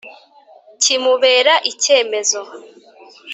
Kimubera icyemezo